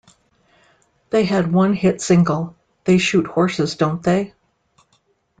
They had one hit single, They Shoot Horses, Don't They?